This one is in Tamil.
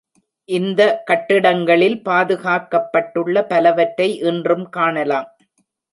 இந்த கட்டிடங்களில் பாதுகாக்கப்பட்டுள்ள பலவற்றை இன்றும் காணலாம்.